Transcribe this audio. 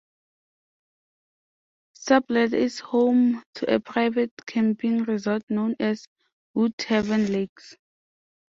Sublette is home to a private camping resort known as Woodhaven Lakes.